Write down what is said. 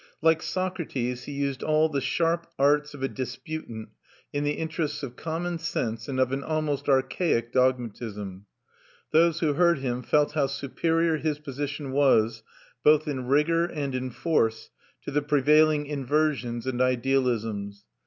Like Socrates, he used all the sharp arts of a disputant in the interests of common sense and of an almost archaic dogmatism. Those who heard him felt how superior his position was, both in rigour and in force, to the prevailing inversions and idealisms.